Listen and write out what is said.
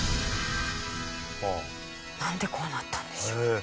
なんでこうなったんでしょう？